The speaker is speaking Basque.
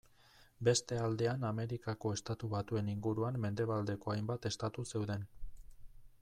Beste aldean Amerikako Estatu Batuen inguruan mendebaldeko hainbat estatu zeuden.